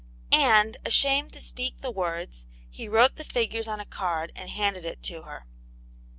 And ashamed to speak the words, he wrote the figures on ^ card and handed it to her.